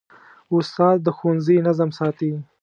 استاد د ښوونځي نظم ساتي.